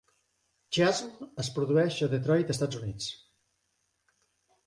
"Chiasm" es produeix a Detroit, Estats Units.